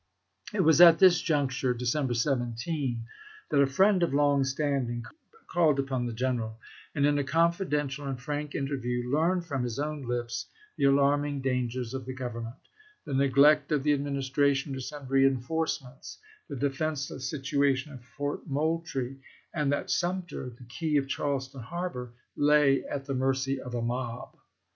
It was at this juncture (December 17) that a iseo. friend of long standing called upon the general, and in a confidential and frank interview learned from his own lips the alarming dangers of the Government — the neglect of the Administration to send reinforcements, the defenseless situation of Fort Moultrie, and that Sumter, the key of Charles ton harbor, lay at the mercy of a mob.